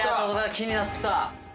気になってた！